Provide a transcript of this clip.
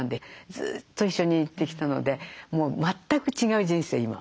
ずっと一緒に行ってきたのでもう全く違う人生今。